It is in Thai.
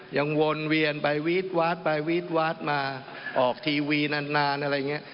วนเวียนไปวีดวาดไปวีดวาดมาออกทีวีนานอะไรอย่างนี้